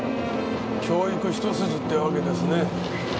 教育一筋ってわけですね。